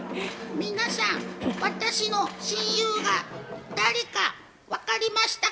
皆さん、私の親友が誰か分かりましたか？